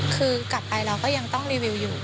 คือกลับไปเราก็ยังต้องรีวิวอยู่